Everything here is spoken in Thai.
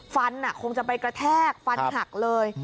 ฟันคงจะไปกระแทกฟันหักเลย